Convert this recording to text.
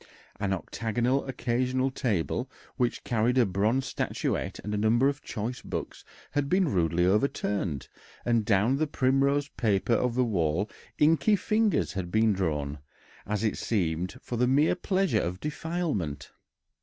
An octagonal occasional table, which carried a bronze statuette and a number of choice books, had been rudely overturned, and down the primrose paper of the wall inky fingers had been drawn, as it seemed, for the mere pleasure of defilement.